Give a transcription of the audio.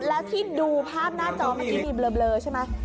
แล้วที่ดูภาพหน้าจอเมื่อกี้มีเบลอใช่ไหม